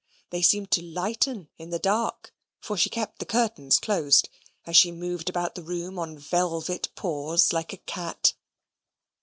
They seemed to lighten in the dark (for she kept the curtains closed) as she moved about the room on velvet paws like a cat.